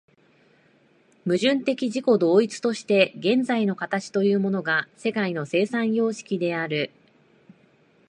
矛盾的自己同一として現在の形というものが世界の生産様式である。